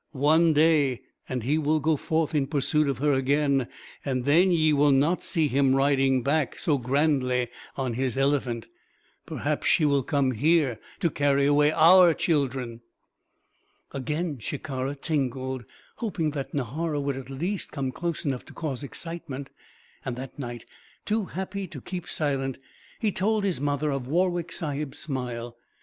One day, and he will go forth in pursuit of her again; and then ye will not see him riding back so grandly on his elephant. Perhaps she will come here, to carry away our children." Again Shikara tingled hoping that Nahara would at least come close enough to cause excitement. And that night, too happy to keep silent, he told his mother of Warwick Sahib's smile.